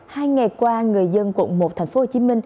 hai ngày qua người dân quận một tp hcm